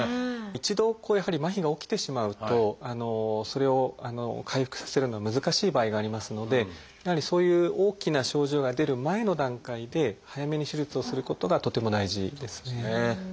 一度やはり麻痺が起きてしまうとそれを回復させるのは難しい場合がありますのでやはりそういう大きな症状が出る前の段階で早めに手術をすることがとても大事ですね。